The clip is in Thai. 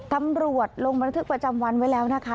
ตำรวจลงบันทึกประจำวันไว้แล้วนะคะ